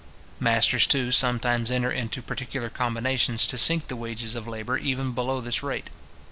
Masters, too, sometimes enter into particular combinations to sink the wages of labour even below this rate.